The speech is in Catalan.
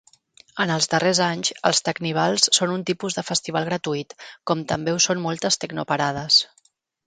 En els darrers anys, els tecnivals són un tipus de festival gratuït, com també ho són moltes tecnoparades.